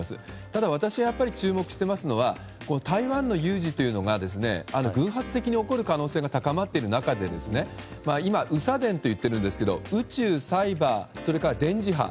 ただ私がやっぱり注目しているのは台湾の有事が偶発的に起こる可能性が高まっている中で今、宇サ電と言っていますが宇宙、サイバー、そして電磁波。